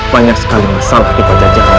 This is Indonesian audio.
banyak sekali masalah di panjang jalan